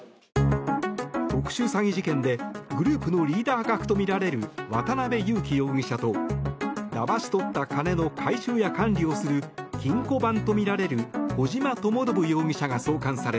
特殊詐欺事件でグループのリーダー格とみられる渡邉優樹容疑者とだまし取った金の回収や管理をする金庫番とみられる小島智信容疑者が送還され